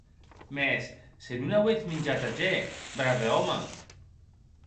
Mès se non auetz minjat ager, brave òme!